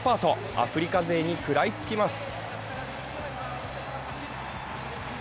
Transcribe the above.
アフリカ勢に食らいつきます。